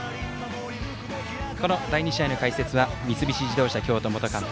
この第２試合の解説は三菱自動車京都元監督